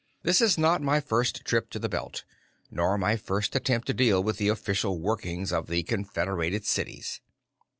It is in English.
"This is not my first trip to the Belt, nor my first attempt to deal with the official workings of the Confederated Cities."